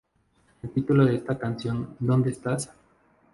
El título de la canción "¿Dónde estás?